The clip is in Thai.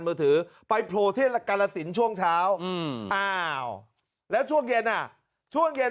มือถือไปโผล่ที่กาลสินช่วงเช้าอ้าวแล้วช่วงเย็นอ่ะช่วงเย็น